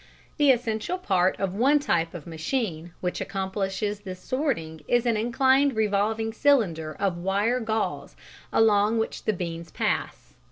The essential part of one type of machine (see illustration) which accomplishes this sorting is an inclined revolving cylinder of wire gauze along which the beans pass.